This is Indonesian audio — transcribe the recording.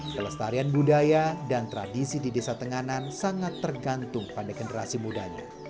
kelestarian budaya dan tradisi di desa tenganan sangat tergantung pada generasi mudanya